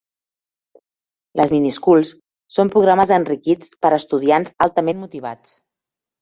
Les mini schools són programes enriquits per a estudiants altament motivats.